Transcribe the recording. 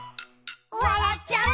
「わらっちゃう」